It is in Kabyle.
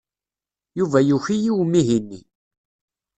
Yuba yuki i umihi-nni.